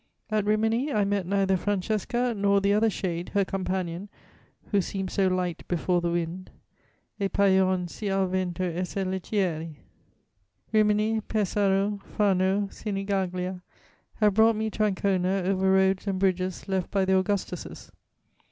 "At Rimini, I met neither Francesca nor the other shade, her companion, ' who seemed so light before the wind:' E paion si al vento esser leggieri. "Rimini, Pesaro, Fano, Sinigaglia have brought me to Ancona over roads and bridges left by the Augustuses.